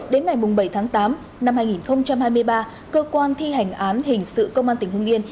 đến ngày bảy tháng tám năm hai nghìn hai mươi ba cơ quan thi hành án hình sự công an tỉnh hưng yên